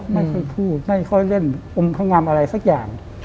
ไม่ค่อยพูดไม่ค่อยเล่นอมพงำอะไรสักอย่าง